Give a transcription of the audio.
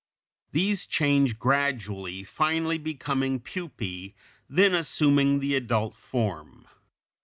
These change gradually, finally becoming pupæ, then assuming the adult form.